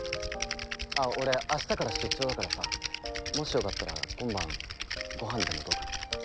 あ俺明日から出張だからさもしよかったら今晩ご飯でもどうかな？